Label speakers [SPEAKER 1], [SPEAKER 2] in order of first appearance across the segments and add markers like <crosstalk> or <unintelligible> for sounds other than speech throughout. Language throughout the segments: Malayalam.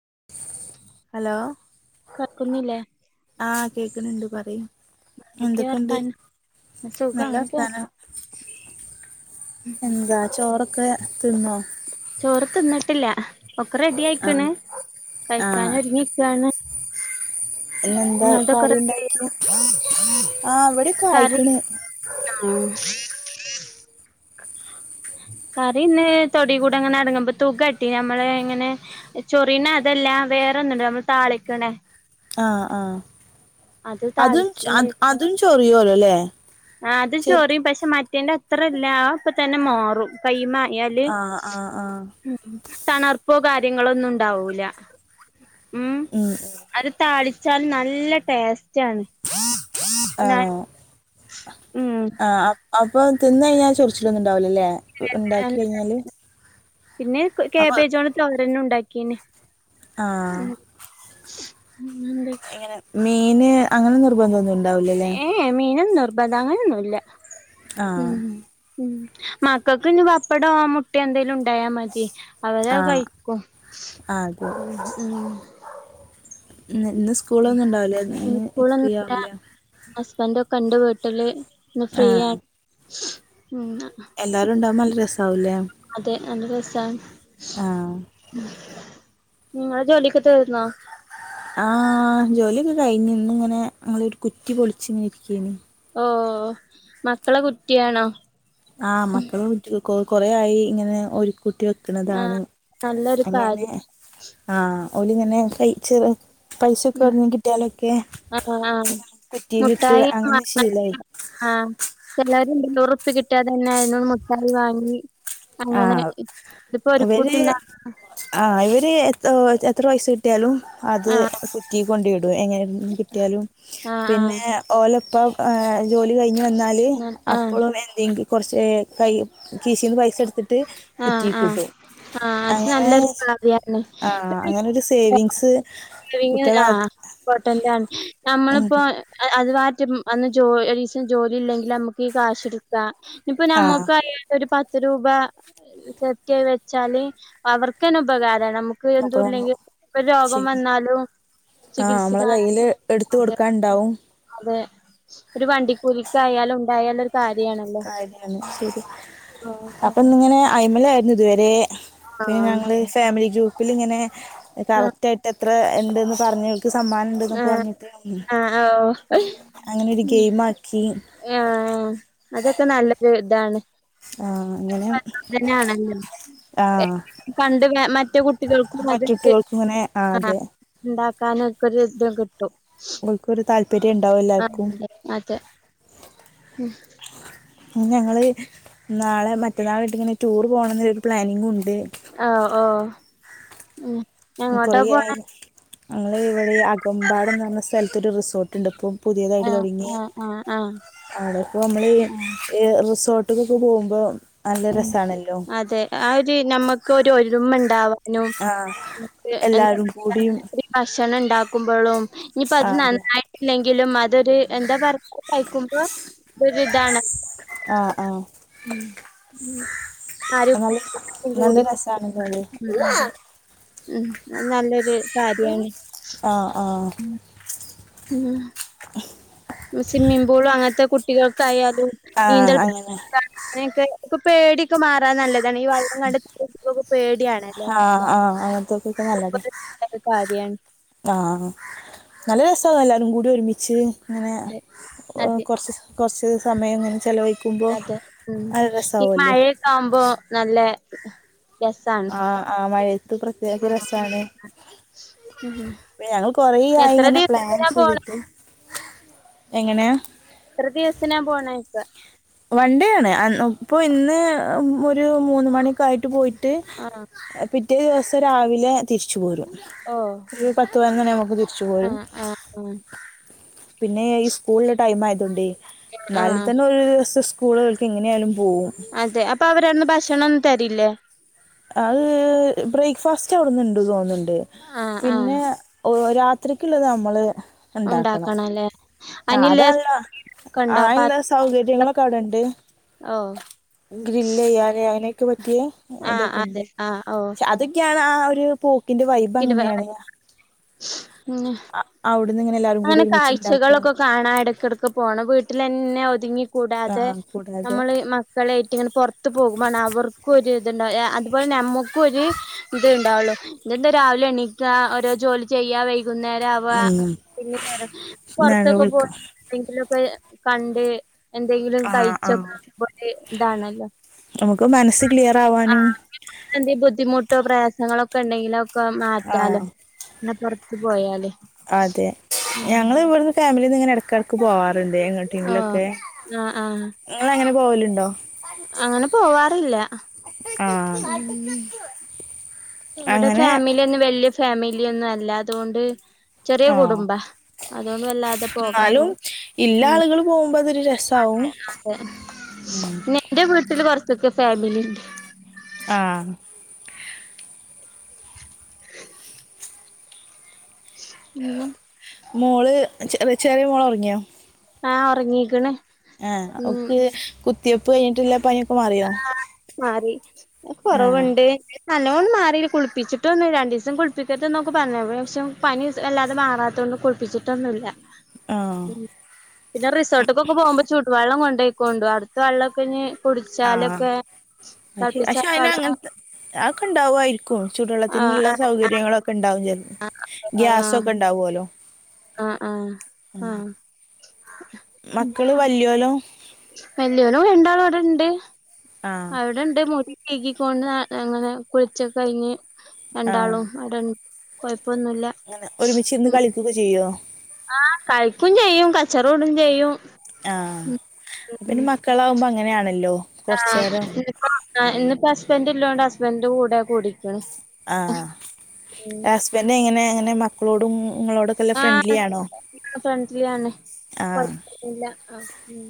[SPEAKER 1] <inaudible>
[SPEAKER 2] ഹലോ
[SPEAKER 1] കേൾക്കുന്നില്ലേ
[SPEAKER 2] ആഹ കേക്കണണ്ട് പറി
[SPEAKER 1] എന്തൊക്കെയാ
[SPEAKER 2] എന്തൊക്കെണ്ട്
[SPEAKER 1] വർത്താനം സുഖം
[SPEAKER 2] നല്ല
[SPEAKER 1] അങ്ങനെ പോ
[SPEAKER 2] വർത്താനം എന്താ ചോറൊക്കെത്തിന്നോ
[SPEAKER 1] ചോറ് തിന്നിട്ടില്ല ഒക്കെ റെഡി ആയിക്കണ്
[SPEAKER 2] ആഹ്
[SPEAKER 1] കഴിക്കാൻ
[SPEAKER 2] ആഹ്
[SPEAKER 1] ഒരുങ്ങിക്കാണ് <unintelligible>
[SPEAKER 2] ഇന്നെന്താ
[SPEAKER 1] നിങ്ങൾതൊക്കെ റെഡി
[SPEAKER 2] കറിണ്ടാക്കിയെ ആഹ വിടെക്കെ
[SPEAKER 1] കറി
[SPEAKER 2] ആയിക്ക്ണ്
[SPEAKER 1] ആഹ് കറിന്ന് തൊടി കൂടെങ്ങനെ അടങ്ങുമ്പൊ തുകട്ടി നമ്മള ഇങ്ങനെ ചൊറീന അതെല്ലാം ണ്ട നമ്മൾ താളിക്കണെ
[SPEAKER 2] ആഹ ആഹ അതും അ അതും ചൊറിയോല്ലോ അല്ലേ
[SPEAKER 1] ആ അത് ചോറിയും പക്ഷെ മറ്റേന്റെ അത്രല്ല അപ്പൊ തന്നെ മാോറും കൈമാ ആയാൽ
[SPEAKER 2] ആഹ് ആഹ് ആഹ്
[SPEAKER 1] തണർപ്പോ കാര്യങ്ങളോ ഒന്നും ഉണ്ടാവൂല ഉം അത് താളിച്ചാൽ നല്ല ടേസ്റ്റ് ആണ് എന്നാ
[SPEAKER 2] ആണോ
[SPEAKER 1] ഉം
[SPEAKER 2] ആ ഇപ്പൊ തിന്ന് കഴിഞ്ഞാൽ ചൊറിച്ചിലൊന്നും ഉണ്ടാവില്ലല്ലേ ഇ ണ്ടാക്കി കഴിഞ്ഞാല്
[SPEAKER 1] പിന്നെ
[SPEAKER 2] അപ്പൊ
[SPEAKER 1] കേബേജോണ് തോരന്നെ ഉണ്ടാക്കീന്നെ
[SPEAKER 2] ഇങ്ങനെ മീന് അങ്ങനെ നിർബന്ധം ഒന്നും ഇണ്ടാവൂലല്ലേ
[SPEAKER 1] നിർബത അങ്ങനൊന്നുമല്ല
[SPEAKER 2] ആഹ്
[SPEAKER 1] ഉം ഉം മക്കൾക്ക് ഇ പപ്പടം മുട്ട എന്തേലും ഉണ്ടായാ മതി അവടെ
[SPEAKER 2] ആഹ്
[SPEAKER 1] കഴിക്കും
[SPEAKER 2] ആ അതെ
[SPEAKER 1] ഉ ഉ
[SPEAKER 2] ഇന്ന് ഇന്ന് സ്കൂളൊന്നും ഉണ്ടാവൂലേ ഇന്ന് ഫ്രീ
[SPEAKER 1] സ്കൂളൊന്നല്ല
[SPEAKER 2] ആവൂലേ
[SPEAKER 1] ഹസ്ബൻഡ കണ്ട് വീട്ടില് ഇന്ന്
[SPEAKER 2] ആ
[SPEAKER 1] ഫ്രീയാണ് ഉം
[SPEAKER 2] എല്ലാരും ഉണ്ടാവുമ്പോ നല്ല രസാവൂലേ
[SPEAKER 1] അതെ നല്ല രസാ
[SPEAKER 2] ആ
[SPEAKER 1] ഉ അജോലിക്കെ തീർന്നോ
[SPEAKER 2] ആ ജോലിയൊക്കെ കഴിഞ്ഞഞ് ഇന്ന് ഇങ്ങനെ ഞങ്ങൾ ഒരു കുറ്റി പൊളിച്ചച്ച്ങ്ങനെ ഇരിക്കേന്
[SPEAKER 1] ഓ മക്കളെ കുറ്റിയാണോ
[SPEAKER 2] ആഹ മക്കള് കൊ കൊറ ആയി ഇങ്ങനെ ഒരു കുത്തി വെക്കുന്നതാണ്
[SPEAKER 1] ആഹ് നല്ലൊരു
[SPEAKER 2] അങ്ങനെ
[SPEAKER 1] കാര്യം
[SPEAKER 2] ആ ഓലിങ്ങനെ കഴിച്ചറ പൈസൊക്കെ
[SPEAKER 1] ഉം
[SPEAKER 2] എടന്നെ കിട്ടിയാലൊക്കെ
[SPEAKER 1] ആഹ് ആഹ്
[SPEAKER 2] കുറ്റിയിലിട്ട് അങ്ങനെ ശീലാ യി
[SPEAKER 1] ആഹ ച്ചില്ലരുണ്ടല്ലോ ഉറുപ്പി കിട്ടാ തന്നെ ഐനോട് മുട്ടായി വാങ്ങി അങ്ങനെ
[SPEAKER 2] ആഹ്
[SPEAKER 1] ഇതിപ്പോ ഒരു
[SPEAKER 2] ഇവര്
[SPEAKER 1] കൂട്ടിണ്ടാ
[SPEAKER 2] ആ ഇവര് എ എത്രയസ് കിട്ടിയാലും അത്
[SPEAKER 1] ആഹ്
[SPEAKER 2] കുറ്റി കൊണ്ട ഇടും എങ്ങനെ കിട്ടിയാലും
[SPEAKER 1] ആഹ് ആഹ്
[SPEAKER 2] പിന്നെ ഓല ഇപ്പൾ ജോലി കഴിഞ്ഞ് വന്നാൽ
[SPEAKER 1] ആഹ്
[SPEAKER 2] അപ്പോഴും എന്തെങ്കും കുറച്ച് കൈ കീശിന്ന് പൈസ എടുത്തിട്ട്
[SPEAKER 1] ആഹ്
[SPEAKER 2] കുറ്റിക്
[SPEAKER 1] ആഹ്
[SPEAKER 2] ഇടും
[SPEAKER 1] ആഹ് അത്
[SPEAKER 2] അങ്ങനെ
[SPEAKER 1] നല്ലൊരു കാര്യാ
[SPEAKER 2] ആഹ
[SPEAKER 1] ണ്
[SPEAKER 2] അങ്ങനെരു സേവിങ്സ്
[SPEAKER 1] സേവിങ് ആ
[SPEAKER 2] കുട്ടികളാ
[SPEAKER 1] ഇംപോർട്ടന്റ്ആണ് നമ്മളിപ്പോ അത് മാറ്റും അന്ന് ഒരീസം ജോലി ഇല്ലെങ്കിൽ നമുക്ക് ഈ കാശ് എടുക്ക ഇപ്പ
[SPEAKER 2] ആഹ്
[SPEAKER 1] നമുക്ക്യട്ട ഒരു പത്ത് രൂപ ചെക്ക വെച്ചാല് അവർക്കന്ന ഉപകാര അ നമുക്ക്
[SPEAKER 2] അപ്പൊ
[SPEAKER 1] എന്ത ഇല്ലെങ്കിൽപ്പ രോഗം വന്നാലും
[SPEAKER 2] ആഹ നമ്മളെ
[SPEAKER 1] ചികിത്സിക്കാൻ
[SPEAKER 2] കയ്ൽ എടുത്ത
[SPEAKER 1] അതെ
[SPEAKER 2] കൊടുക്കാൻ ഉണ്ടാവും
[SPEAKER 1] അതെ ഒരു വണ്ടി കൂലിക്ക് ആയാലും ഉണ്ടായാല
[SPEAKER 2] കാര്യണ് ശരിയ
[SPEAKER 1] ആഹ്
[SPEAKER 2] അപ്പൊ ഇത്ഇങ്ങനെ അഐമല ആയിരുന്നു ഇതുവരെ പിന്നെ ഞങ്ങൾ
[SPEAKER 1] ആഹ്
[SPEAKER 2] ഫാമിലി ഗ്രൂപ്പിലിങ്ങനെ കളക്റ്റയിട്ട് എത്ര ഉണ്ടെന്ന് പറഞ്ഞു സമ്മാനംമുണ്ട്എന്നൊക്കെ
[SPEAKER 1] ആഹ്
[SPEAKER 2] പറഞ്ഞിട്ട്
[SPEAKER 1] ആഹ് ആഹ്
[SPEAKER 2] അങ്ങനെ ഒരു ഗെയിം ആക്കി
[SPEAKER 1] ആ അതൊക്കെ നല്ലൊരു ഇതാണ്
[SPEAKER 2] ആ, അങ്ങനെ
[SPEAKER 1] അങ്ങനെതന്നെയ ആണല്ലോ
[SPEAKER 2] ആ
[SPEAKER 1] കണ്ട് മറ്റേ കുട്ടികൾക്കും അത്ണ്ട്
[SPEAKER 2] മറ്റുട്ടികൾക്ക് ഇങ്ങനെ
[SPEAKER 1] ആ
[SPEAKER 2] അതെ
[SPEAKER 1] ആക്കാനക്കൊ ഒരു ഇത് കിട്ടും
[SPEAKER 2] അവൾക്കരു താല്പര്യം ഉണ്ടാവും
[SPEAKER 1] ആഹ്
[SPEAKER 2] എല്ലാർക്കും
[SPEAKER 1] അതെ അതെ
[SPEAKER 2] ഞങ്ങള് നാളെ മറ്റന്നാൾ യട്ടിങ്ങന ടൂർ പോണമരു പ്ലാനിങ്ങും ഉണ്ട്
[SPEAKER 1] ഹ ഓ ഉ എങ്ങോട്ടാ
[SPEAKER 2] കുറേ
[SPEAKER 1] പോണ
[SPEAKER 2] ആയി ഞങ്ങൾ ഇവിടെഈ അകമ്പാട്ന്ന് പറഞ്ഞ സ്ഥലത്ത ഒരു റിസോർട്ട്ണ്ട് ഇപ്പം പുതിയതായിട്ട്
[SPEAKER 1] ആഹ്
[SPEAKER 2] തുടങ്ങി
[SPEAKER 1] ആഹ് ആഹ് ആഹ് ആഹ്
[SPEAKER 2] അടെ ഇപ്പ നമ്മള് റിസോർട്ടക്കൊക്കെ പോകുമ്പോ നല്ല
[SPEAKER 1] ഉ
[SPEAKER 2] രസാണല്ലോ
[SPEAKER 1] അതെ ആര് നമ്മക്ക് ഒരു ഒരുമ ഉണ്ടാവാനും
[SPEAKER 2] ആഹ്
[SPEAKER 1] നമക്ക് എന്ത
[SPEAKER 2] എല്ലാരും കൂടിയും
[SPEAKER 1] ഭക്ഷണം ഉണ്ടാക്കുമ്പോഴും ഇനിയിപ്പ അത്
[SPEAKER 2] ആഹ് അതെ
[SPEAKER 1] നന്നായിട്ടില്ലെങ്ക എങ്കിലും അതൊരു എന്താ പറയ കഴിക്കുമ്പോ ഒരു ഇതാണ്
[SPEAKER 2] ആഹ ആഹ
[SPEAKER 1] ഉ ആര
[SPEAKER 2] നല്ല
[SPEAKER 1] കൂടി അതെ
[SPEAKER 2] രസാണല്ലോ അത്
[SPEAKER 1] ഉം അത് നല്ലൊരു കാര്യാണ്
[SPEAKER 2] ആഹ ആ
[SPEAKER 1] ആം സിമ്മിംമ്പോളും അങ്ങനത്തെ കുട്ടികൾക്കായാലും
[SPEAKER 2] ആഹ്
[SPEAKER 1] നീന്തൽ
[SPEAKER 2] അങ്ങനെ
[SPEAKER 1] അങ്ങനൊക്കെ ഒ പേടിയൊക്കെ മാറാൻ നല്ല അത ഈ വള്ളം കണ്ടൊക്കെ പേടിയാണല്ലോ
[SPEAKER 2] ആഹ് ആഹ് അങ്ങനത്തെക്കൊക്കെ
[SPEAKER 1] അത് കാര്യാണ്
[SPEAKER 2] ആഹ നല്ല ര സ അത എല്ലാവരും കൂടി ഒരുമിച്ച് അങ്ങനെ
[SPEAKER 1] അതെ
[SPEAKER 2] കുറച്ച് കുറച്ച് സമയം ഇങ്ങനെ ചെലവഴിക്കുമ്പോ
[SPEAKER 1] അതെ ഉ
[SPEAKER 2] നല്ല
[SPEAKER 1] ഈ
[SPEAKER 2] രസാവല്ലോ
[SPEAKER 1] മഴയൊക്കെ ആവുമ്പോ നല്ല രസാണ്
[SPEAKER 2] ആഹ ആ മഴത്ത് പ്രത്യേക
[SPEAKER 1] ആഹ്
[SPEAKER 2] രസമാണ്
[SPEAKER 1] ഉം
[SPEAKER 2] ഞങ്ങൾ കൊറിയായി
[SPEAKER 1] എത്ര
[SPEAKER 2] ഇങ്ങനെ പ്ലാൻ
[SPEAKER 1] ദിവസത്തിനാ പോണെ
[SPEAKER 2] ചെയ്തിട്ട് എങ്ങനെയാ
[SPEAKER 1] എത്ര ദിവസനാപോണ ഇക്ക
[SPEAKER 2] വൺണ്ടേ ആണ് ഇപ്പൊ ഇന്ന് ഒരു മൂന്ന് മണിക്ക ആയിട്ട പോയിട്ട്
[SPEAKER 1] ആഹ്
[SPEAKER 2] പിറ്റേ ദിവസം രാവിലെ തിരിച്ച പോരും
[SPEAKER 1] ഓ
[SPEAKER 2] ത്ത എങ്ങനെ നമുക്ക് തിരിച്ചു പോരും
[SPEAKER 1] ആഹ് ആഹ് ആഹ്
[SPEAKER 2] പിന്നെ ഈ സ്കൂളിടൈം ആയതോണ്ട് <unintelligible> ന്നാൽ
[SPEAKER 1] ആഹ്
[SPEAKER 2] തന്നെ ഒരു ദിവസം സ്കൂളുകൾക്ക് എങ്ങനെ യാലും
[SPEAKER 1] അതെ അപ്പൊ അവരാട്ന്ന് ഭക്ഷണം ഒന്നും തരില്ലേ
[SPEAKER 2] അത് ബ്രേക്ക്ഫാസ്റ്റ് അവിടുന്നുണ്ട് തോന്നുന്നുണ്ട്
[SPEAKER 1] ആഹ് ആഹ്
[SPEAKER 2] പിന്നെ ഓ രാത്രിക്കുള്ളത് നമ്മള്
[SPEAKER 1] ഉണ്ടാക്കണം അല്ലേ
[SPEAKER 2] അതല്ല ആ എന്താ
[SPEAKER 1] പാത്രങ്ങളൊക്കെ
[SPEAKER 2] സൗകര്യങ്ങളൊക്കെ അവിടെണ്ട്
[SPEAKER 1] ഓ
[SPEAKER 2] ഗ്രിൽയ്യാൻ ഐൻ
[SPEAKER 1] ആഹ് അതെ
[SPEAKER 2] ഇതൊക്കെണ്ട്
[SPEAKER 1] ആഹ് ഓ
[SPEAKER 2] ചെ അതൊക്കെയാണ് ആ ഒരു പോ ഇതിന്റെ വൈബ്
[SPEAKER 1] ഇരുപ
[SPEAKER 2] അങ്ങനെയാണ് ന്ന
[SPEAKER 1] <inaudible>
[SPEAKER 2] ആ അവിട്ന്ന്
[SPEAKER 1] അങ്ങനെ കാഴ്ചകളൊക്കെ കാണാൻ ഇടക്കിടക്ക് പോണം വീട്ടിലന്നെ ഒതുങ്ങി കൂടാതെ
[SPEAKER 2] ആ കൂടാതെ
[SPEAKER 1] നമ്മള് മക്കളയിട്ട് ഇങ്ങനെ പുറത്ത് പോകുമ്പാണ് അവർക്കുംഒര് ഇതുണ്ടവും അതുപോലെ നമ്മുക് ഒരു ഇത് ഇണ്ടാവുള്ളു ഇതെന്താ രാവിലെ എണീക്കാ ഓരോ ജോലി ചെയ്യ വൈകുന്നേരം ആവ
[SPEAKER 2] ഉം
[SPEAKER 1] പിന്ന
[SPEAKER 2] എന്താണ്
[SPEAKER 1] പുറത്തൊക്കെ
[SPEAKER 2] വിളിക്കാം
[SPEAKER 1] പോയി എന്തെങ്കിലൊക്കെ കണ്ട് എന്തെങ്കിലും
[SPEAKER 2] ആ
[SPEAKER 1] കഴിച്ച
[SPEAKER 2] ആ
[SPEAKER 1] പോലെ ഇതാണല്ലോ
[SPEAKER 2] നമുക്ക് മനസ്സ് ക്ലിയർ ആവാനും
[SPEAKER 1] പം പ്രയാസങ്ങളൊക്കെ ഉണ്ടെങ്കിലൊക്കെ
[SPEAKER 2] ആ
[SPEAKER 1] മാറ്റാാലോ ങ്ങന്നെ പുറത്ത് പോയാല്
[SPEAKER 2] അതെ
[SPEAKER 1] ഉം
[SPEAKER 2] ഞങ്ങള് ഇവിടുന്ന് ഫാമിലിന്ന് ഇങ്ങനെ എടക്കിടക്ക് പോവാറുണ്ട് വെറുതെ എങ്ങോട്ട
[SPEAKER 1] ആഹ്
[SPEAKER 2] ങ്കിലൊക്കെ
[SPEAKER 1] ആഹ് ആഹ്
[SPEAKER 2] ഇങ്ങള് അങ്ങനെ പോവലുണ്ടോ
[SPEAKER 1] അങ്ങനെ പോവാറില്ല
[SPEAKER 2] ആ
[SPEAKER 1] ഉ മ്മടെ
[SPEAKER 2] അങ്ങനെ
[SPEAKER 1] ഫാമിലി ഒന്നും വല്യ ഫാമിലിയൊന്നും അല്ല അതുകൊണ്ട് ചെറിയ
[SPEAKER 2] ആ
[SPEAKER 1] കുടുംബ അതുകൊണ്ട് വല്ലാതെ
[SPEAKER 2] എന്നാലും
[SPEAKER 1] പോകാറില്ല
[SPEAKER 2] ഇല്ല
[SPEAKER 1] ഉ
[SPEAKER 2] ആളുകൾ പോകുമ്പോ അതൊരു രസാവും
[SPEAKER 1] അതെ അതെ
[SPEAKER 2] ഉം
[SPEAKER 1] നിന്റെ വീട്ടില് കുറചൊക്കെ ഫാമിലിണ്ട്
[SPEAKER 2] ആ
[SPEAKER 1] ഉ
[SPEAKER 2] മോള് ചെറിയ ചെറിയ മോള് ഉറങ്ങിയോ
[SPEAKER 1] ആ ഉറങ്ങീക്കണ്
[SPEAKER 2] ആഹ അവക്ക് കുത്തിയപ്പ് കഴിഞ്ഞിട്ടില്ല പനി
[SPEAKER 1] ആ മാറി
[SPEAKER 2] ആ
[SPEAKER 1] കൊറവുണ്ട് നല്ലോണം മാറിയിന് കുളപ്പിച്ചിട്ടൊന്നുല്ല രണ്ട് ദിവസം കുളിപ്പിക്കരുത് ന്നൊക്കെ പറഞ്ഞ പക്ഷെ പനി വ ല്ലാതെ മാറ ത്തോണ്ട് കുളിപ്പിച്ചിട്ടൊന്നുല്ല
[SPEAKER 2] ആ
[SPEAKER 1] പിന്നെ റിസോർട് ക് പൊമ്പോ ചുടു വെള്ളം കൊണ്ടോവും ക്കൊണ്ടു അടുത്ത വെള്ളക്കെ ഇനി കുടിച്ചാലൊക്കെ
[SPEAKER 2] അ പക്ഷെ
[SPEAKER 1] തിളപ്പിച്ചാറിയ
[SPEAKER 2] അയിന്
[SPEAKER 1] വെള്ളം
[SPEAKER 2] അങ്ങൻത്തെ ആക്കെ ഉണ്ടാവാ യിരിക്കും
[SPEAKER 1] ആഹ്
[SPEAKER 2] ചുടുള്ളത്തിനുള്ള
[SPEAKER 1] ആഹ്
[SPEAKER 2] സൗകര്യങ്ങളൊക്കെ ഉണ്ടാവും ഗ്യാസ്‌ ഒക്കെ ഉണ്ടാവല്ലോ
[SPEAKER 1] ആഹ ആഹ ആഹ്
[SPEAKER 2] മക്കള് വല്യോല
[SPEAKER 1] ണ്ട്
[SPEAKER 2] ആ
[SPEAKER 1] അവിടെണ്ട് മുടി കഴകിക്കൊണ്ട് അങ്ങനെ കുളിച്ചൊക്ക കഴിഞ്ഞ്
[SPEAKER 2] ആ
[SPEAKER 1] രണ്ടാളും അവിടെ ണ്ട് കൊഴപ്പൊന്നുല്ല
[SPEAKER 2] അങ്ങനെ ഒരുമിച്ചിരുന്ന്
[SPEAKER 1] ഉ
[SPEAKER 2] കളിക്കുകയൊക്കെ ചെയ്യുമോ
[SPEAKER 1] ആ കഴിക്കും ചെയ്യും കച്ചറ ഇടും ചെയ്യും
[SPEAKER 2] ആഹ അ പിന്നെ മക്കളാാവുമ്പോ അങ്ങനെയാണല്ലോ കുറച്ചു നേരം
[SPEAKER 1] ആഹ ഇന്നിപ്പോ ഹസ്ബന്റ് ഇല്ലോണ്ട് ഹസ്ബൻന്റെ കൂടെ കൂടിക്കണ്
[SPEAKER 2] ആ ഹസ്ബെൻ്റ് എങ്ങനെ അങ്ങനെ മക്കളോടും നിങ്ങളോടൊക്കെ
[SPEAKER 1] ആ
[SPEAKER 2] ഫ്രണ്ട്ലി ആണോ
[SPEAKER 1] നല്ല ഫ്രണ്ട്ലി ആണ് കുഴപ്പന്ന്മില്ല ആ ഉ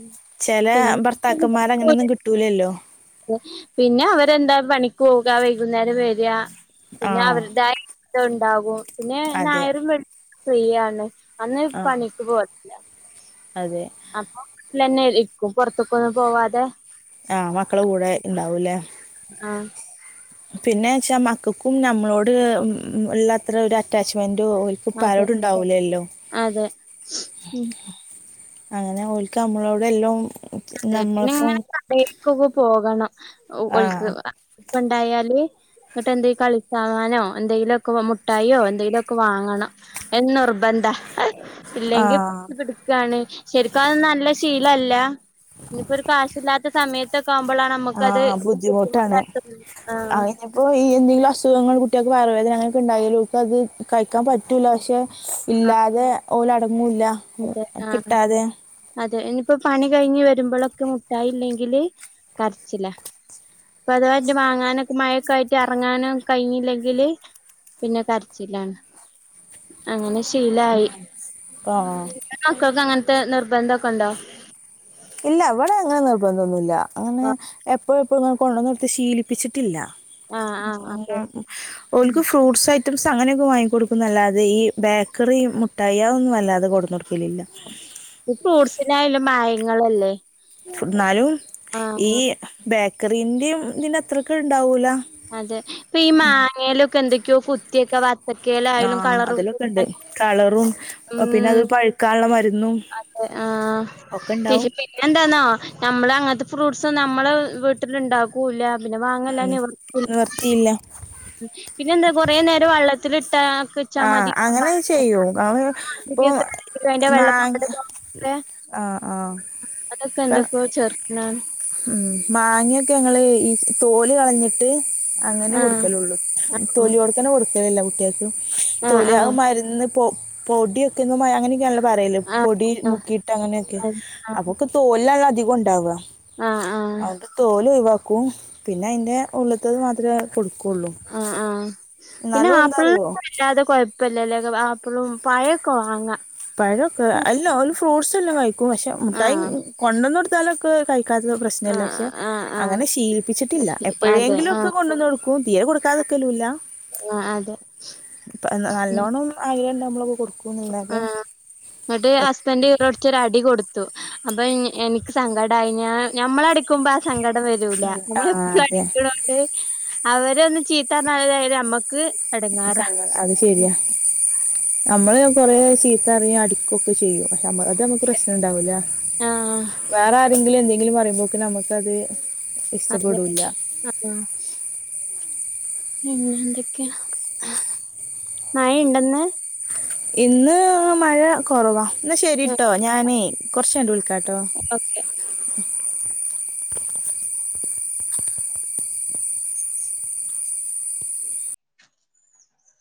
[SPEAKER 2] ചില ഭർത്താക്കന്മാർ അങ്ങനെയൊന്നും കിട്ടൂലല്ലോ
[SPEAKER 1] പിന്നെ അവരെന്താ പണിക്ക് പോക വൈകുന്നേരം വരിക പിന്നെ
[SPEAKER 2] ആഹ്
[SPEAKER 1] അവരുടെതായ ഇത് ഉണ്ടാകും പിന്നെ
[SPEAKER 2] അതെ
[SPEAKER 1] ഞായറും വെള്ളിയും ഫ്രീ ആണ് അന്ന്
[SPEAKER 2] ആഹ്
[SPEAKER 1] പണിക്ക് പോക
[SPEAKER 2] അതെ
[SPEAKER 1] വിട്ടില് തന്നെ ഇരിക്കും പുറത്തേയ്ക്ക് ഒന്നും പോവാതെ
[SPEAKER 2] ആ മക്കള് കൂടെ ഇണ്ടാവൂല്ലേ
[SPEAKER 1] ആ
[SPEAKER 2] പിന്നെ വെച്ചാ മക്കൾക്കും നമ്മളോട് ഉം ഉള്ളാത്ര ഒരു അറ്റാച്ച്മെന്റ് ഓൾക്കപ്പം
[SPEAKER 1] അതെ
[SPEAKER 2] ആരോട് ഉണ്ടാവലല്ലോ
[SPEAKER 1] അതെ ഉം
[SPEAKER 2] അങ്ങനെ ഒൾക്ക് നമ്മളോട് എല്ലാം
[SPEAKER 1] അതെ പിന്നെ
[SPEAKER 2] നമ്മളിപ്പം
[SPEAKER 1] ഇങ്ങനെ കടെക്കൊക്കെ പോകണം ഒക്ക് ഓൾക്ക്
[SPEAKER 2] ആഹ്
[SPEAKER 1] കൊണ്ടായാല് എന്നിട്ട് എന്തെ കളിച്ചാവാനോ എന്തെങ്കിലുമൊക്കെ മുട്ടായിയോ എന്തെങ്കിലുമൊക്കെ വാങ്ങണം അത് നിർബന്ധ ഇല്ലെങ്കി
[SPEAKER 2] ആഹ്
[SPEAKER 1] വാ പിടിക്കാണ് ശരിക്കും അത് നല്ല ശീലല്ല ഇനിപ്പരു കാശില്ലാത്ത സമയത്ത്
[SPEAKER 2] ആ ബുദ്ധിമുട്ടാണ്
[SPEAKER 1] ആഹ്
[SPEAKER 2] അതിനിപ്പോ ഈ എന്തില് അസുഖങ്ങൾ കുട്ടികൾക്ക് വയറുവേദന അങ്ങനൊക്കെ ഉണ്ടായി ഇപ്പം അത് കഴിക്കാൻ പറ്റുല്ല പക്ഷെ
[SPEAKER 1] ആഹ്
[SPEAKER 2] ഇല്ലാതെ ഓലടങ്ങൂല
[SPEAKER 1] അതെ ആ
[SPEAKER 2] കിട്ടാതെ
[SPEAKER 1] അതെ ഇ ഇപ്പൊ പണി കഴിഞ്ഞ് വരുമ്പോഴൊക്കെ മുട്ടായില്ലെങ്കില് കരച്ചില അപ്പൊ അതവ വാങ്ങാനക്കെ മഴൊക്കെ ആയിട്ട് ഇറങ്ങാനും കഴിഞ്ഞില്ലെങ്കില് പിന്നെ കരച്ചിലാണ് അങ്ങനെ ശീലായി
[SPEAKER 2] ആ
[SPEAKER 1] മക്കക്ക് അങ്ങ ത്തെ നിർബന്ധം ഒക്കെ ഉണ്ടോ
[SPEAKER 2] ഇല്ല ഇവിടെ അങ്ങനെ നിർബന്ധം ഒന്നുമില്ല അങ്ങനെ എ പ്പോഴുംപോഴും കൊണ്ടുവന്നു കൊടുത്ത് ശീലിപ്പിച്ചിട്ടില്ല
[SPEAKER 1] ആഹ് ആഹ് അതെ
[SPEAKER 2] ഉണ്ടാ ഓക്ക് ഫ്രൂട്ട്സ് ആ ഫ്രൂസ് അങ്ങനെയെന്നു വാങ്ങി കൊടുക്കുന്ന അല്ലാതെ ഈ ബേക്കറിയും മുട്ടയി ഒന്നും അല്ലാതെ കൊണ്ട് വന്ന് കൊടുക്കലില്ല
[SPEAKER 1] ഈ ഫ്രൂസിനായാലും മായങ്ങളല്ലേ
[SPEAKER 2] എന്നാലും ഈ
[SPEAKER 1] ആഹ്
[SPEAKER 2] ബേക്കറിന്റെയും ഇതിൻ്റെ അത്രയ്ക്ക് ഉണ്ടാവൂല
[SPEAKER 1] അതെ ഇപ്പൊ ഈ മാങ്ങയിലൊക്കെ എന്തൊക്കെയോ കുത്തിയൊക്കെ വെ
[SPEAKER 2] ആ അതിലൊക്കെ ഉണ്ട് കളറും ഇപ്പപിന്നെ
[SPEAKER 1] ഉം
[SPEAKER 2] അത് പഴുക്കാനുള്ള മരു
[SPEAKER 1] അതെ ആ
[SPEAKER 2] ഉണ്ടാവും
[SPEAKER 1] പിന്നെ എന്താന്നോ ഞമ്മള് അങ്ങ ഫ്രൂസ് നമ്മള് വീട്ടില് ഉണ്ടാക്കുയില്ല പിന്നെ വാങ്ങല്ലാതെ
[SPEAKER 2] ഉം
[SPEAKER 1] നിവർത്തിയില്ല
[SPEAKER 2] നിവർത്തിയില്ല
[SPEAKER 1] പിന്നെ എന്താ കൊറെ നേരം വെള്ളത്തി
[SPEAKER 2] ആ അങ്ങനെ ചെയ്യും അവൻ ഇപ്പൊ
[SPEAKER 1] അതിന്റെ
[SPEAKER 2] മാ
[SPEAKER 1] വെള്ളപ്പാട് ഒക്കെ
[SPEAKER 2] ആ ആ
[SPEAKER 1] അതൊക്കെ
[SPEAKER 2] ഇപ
[SPEAKER 1] എന്തൊക്കെയോ ചേർക്കണാണ്
[SPEAKER 2] ഉം മാങ്ങയൊക്കെ ഞങ്ങള് ഈ തോല് കളഞ്ഞി ട്ട് അങ്ങനെ
[SPEAKER 1] ആഹ്
[SPEAKER 2] കൊടുക്കലുള്ളൂ തൊലിയോടെ തന്നെ കൊടുക്കലില്ല കുട്ടികൾക്ക്
[SPEAKER 1] ആഹ്
[SPEAKER 2] തൊലിയ
[SPEAKER 1] ആഹ്
[SPEAKER 2] അത് മരുന്ന് പൊ പൊടിയൊക്കെ ഒന്ന് മ അങ്ങനെയൊക്കെ പറയല്
[SPEAKER 1] ആഹ്
[SPEAKER 2] പൊടി
[SPEAKER 1] ആഹ്
[SPEAKER 2] മുക്കിയിട്ട് അങ്ങനെയൊക്കെ
[SPEAKER 1] ആഹ് ആഹ്
[SPEAKER 2] അപ്പൊക്കെ തോലിലാണ് അധികം ഉണ്ടാവുക
[SPEAKER 1] ആഹ് ആഹ് ആഹ്
[SPEAKER 2] അണ്ട് തോല് ഒഴിവാക്കൂ പിന്നെ അതിന്റെ ഉള്ളത്തത് മാത്രേ കൊടു
[SPEAKER 1] ആ ആ പിന്നെ
[SPEAKER 2] എന്താ
[SPEAKER 1] ആപ്പിള്
[SPEAKER 2] അറിയോ
[SPEAKER 1] ഇല്ലാതെ കൊഴപ്പല്ല <unintelligible> ആപ്പിളും പഴയൊക്കെ വാങ്ങ
[SPEAKER 2] പഴം ഒക്കെ അല്ല ഓന് ഫ്രൂസ് എല്ലാം കഴിക്കും പക്ഷെ മുഠായി
[SPEAKER 1] ആഹ്
[SPEAKER 2] കൊണ്ട വന്ന് കൊടുത്താലൊക്കെ കഴി അതൊന്നും പ്രശ്നമില്ല
[SPEAKER 1] ആഹ്
[SPEAKER 2] പക്ഷെ
[SPEAKER 1] ആഹ് ആഹ്
[SPEAKER 2] അങ്ങനെ ശീലിപ്പിച്ചിട്ടില്ല
[SPEAKER 1] അതെ
[SPEAKER 2] എപ്പോഴെങ്കിലും ഒക്കെ
[SPEAKER 1] ആഹ്
[SPEAKER 2] കൊണ്ടുവന്ന് കൊടുക്കും തീരെ കൊടുക്കാതെ തിരിക്കലില്ല
[SPEAKER 1] ങ്ങ ആ
[SPEAKER 2] ഇപ്പൊയെന്നാ നല്ലോണ്ണം അടിയൊന്നും നമ്മളുകൊടുക്കൂന്നല്ലാതെ
[SPEAKER 1] ആഹ് എന്നിട്ട്, ഹസ്ബൻഡ് ഇതെടുത്തൊരടി കൊടുത്തു അപ്പൊ, എനി എനിക്കുസങ്കടായിഞാ ഞമ്മളടിക്കുമ്പോളാ സങ്കട വരൂല,
[SPEAKER 2] ഉം, ആ
[SPEAKER 1] നമ്മളെത്ര
[SPEAKER 2] അതെ
[SPEAKER 1] അടിക്കണൊ ണ്ട്. അവരൊന്നു ചീത്തപറഞ്ഞാല് നമ്മക്ക് ക്ക് ഇടങ്ങേറാ
[SPEAKER 2] നമ്മളുകൊറേ ചീത്ത പറയുംഅടിക്കുവൊക്കെ ചെയ്യും, പക്ഷേ നമ്മൾക്കത് പ്രശ്നമുണ്ടാവൂല.
[SPEAKER 1] ആഹ്
[SPEAKER 2] വേറെയാരെങ്കിലും എന്തെങ്കിലും പറയുമ്പോ ളേക്കുനമുക്കാണെങ്കിൽ
[SPEAKER 1] അതെ, അ അ പിന്നെ എന്തൊക്കെയാ മഴ ഉണ്ടന്ന്
[SPEAKER 2] ഇന്ന്, അ മഴകുറവാ എന്നാ ശരിയിട്ടോ ഞാനേ കൊറച്ചുകഴിഞ്ഞുവിളിക്കാട്ടോ
[SPEAKER 1] ഓക്കെ